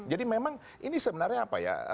memang ini sebenarnya apa ya